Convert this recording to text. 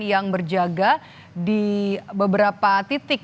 yang berjaga di beberapa titik